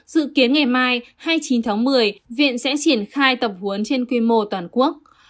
dự kiến ngày mai hai mươi chín tháng một mươi viện sẽ triển khai tập huấn trên quy mô toàn quốc